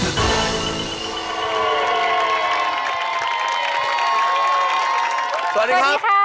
สวัสดีค่ะสวัสดีค่ะ